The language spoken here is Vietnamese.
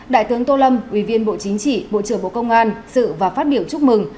đại tướng tô lâm ủy viên bộ chính trị bộ trưởng bộ công an sự và phát biểu chúc mừng